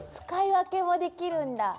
使い分けもできるんだ。